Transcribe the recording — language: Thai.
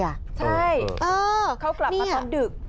ใช่เขากลับมาตอนดึก